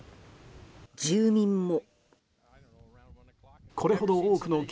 住民も。